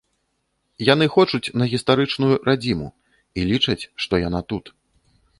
Яны хочуць на гістарычную радзіму і лічаць, што яна тут.